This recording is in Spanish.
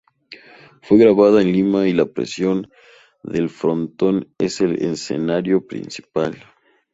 Fue grabada en Lima y la prisión de El Frontón es el escenario principal.